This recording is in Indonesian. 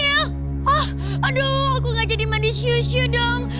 hah aduh aku gak jadi manis yusyuk dong